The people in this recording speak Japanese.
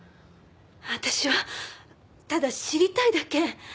私はただ知りたいだけ。